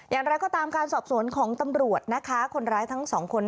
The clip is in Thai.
อย่างไรก็ตามการสอบสวนของตำรวจนะคะคนร้ายทั้งสองคน